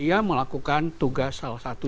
dia melakukan tugas salah satunya